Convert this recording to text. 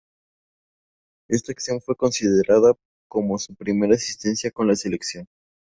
Esta acción fue considerada como su primera asistencia con la selección.